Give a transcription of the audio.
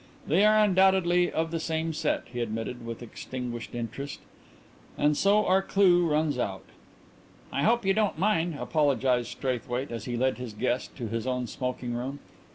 "They are undoubtedly of the same set," he admitted, with extinguished interest, "and so our clue runs out." "I hope you don't mind," apologized Straithwaite, as he led his guest to his own smoking room.